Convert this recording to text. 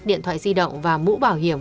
điện thoại di động và mũ bảo hiểm